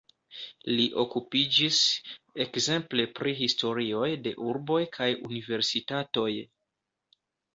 Li okupiĝis ekzemple pri historioj de urboj kaj universitatoj.